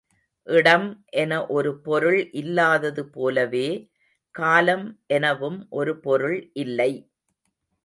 இடம் என ஒரு பொருள் இல்லாதது போலவே, காலம் எனவும் ஒரு பொருள் இல்லை.